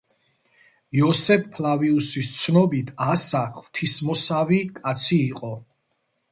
იოსებ ფლავიუსის ცნობით, ასა ღვთისმოსავი კაცი იყო.